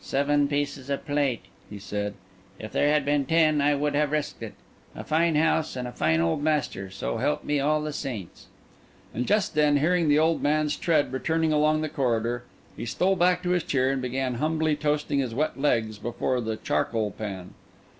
"Seven pieces of plate," he said. "If there had been ten, I would have risked it. A fine house, and a fine old master, so help me all the saints!" And just then, hearing the old man's tread returning along the corridor, he stole back to his chair, and began humbly toasting his wet legs before the charcoal pan.